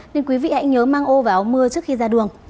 nên quý vị hãy nhớ mang ô và áo mưa trước khi ra đường